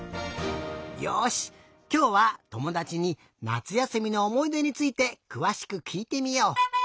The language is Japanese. よしきょうはともだちになつやすみのおもいでについてくわしくきいてみよう。